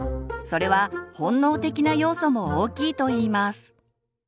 それは本能的な要素も大きいといいます。